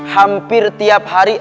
hampir tiap hari